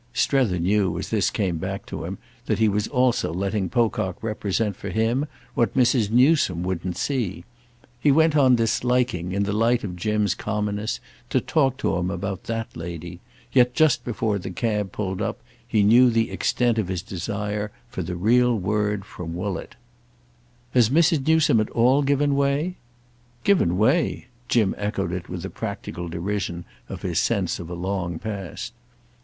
—Strether knew, as this came back to him, that he was also letting Pocock represent for him what Mrs. Newsome wouldn't see. He went on disliking, in the light of Jim's commonness, to talk to him about that lady; yet just before the cab pulled up he knew the extent of his desire for the real word from Woollett. "Has Mrs. Newsome at all given way—?" "'Given way'?"—Jim echoed it with the practical derision of his sense of a long past.